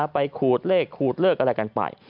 ขูดเลขขูดเลขอะไรกันไป